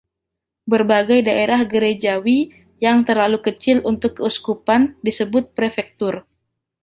Berbagai daerah gerejawi, yang terlalu kecil untuk keuskupan, disebut prefektur.